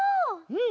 うん。